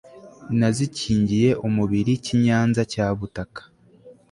nazikingiye umubiri Kinyanza cya Butaka